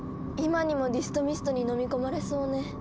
今にもディストミストにのみ込まれそうね。